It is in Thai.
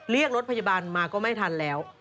เรียกรถพยาบาลมาก็ไม่ทันแล้ว